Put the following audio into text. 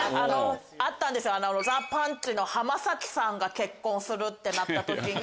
あったんですよザ・パンチの浜崎さんが結婚するってなった時に。